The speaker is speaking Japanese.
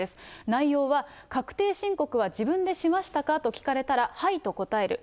内容は、確定申告は自分でしましたかと聞かれたら、はいと答える。